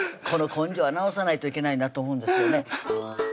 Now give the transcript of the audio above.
この根性は直さないといけないなって思うんですけどね